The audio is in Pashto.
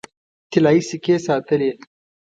طلايي سکې ساتلې.